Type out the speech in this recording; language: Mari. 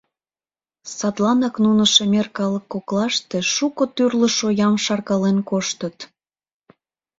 Садланак нуно шемер калык коклаште шуко тӱрлӧ шоям шаркален коштыт.